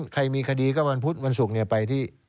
ใครมีคดีก็วันพุธวันศุกร์ไปที่